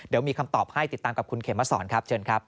เดี๋ยวมีคำตอบให้ติดตามกับคุณเขมสอนครับเชิญครับ